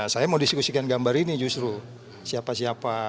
saya mau diskusikan gambar ini justru siapa siapa